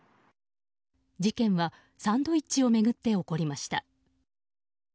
事件はサンドイッチを巡って起こりました。